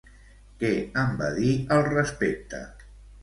Què en va dir al respecte?